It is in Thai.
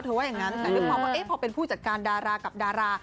ว่าอย่างนั้นแต่ด้วยความว่าพอเป็นผู้จัดการดารากับดารา